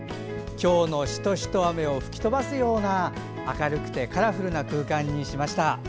今日のシトシト雨を吹き飛ばすような明るくてカラフルな空間にしました。